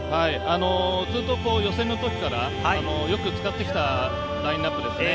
ずっと予選の時からよくつかってきたラインナップですね。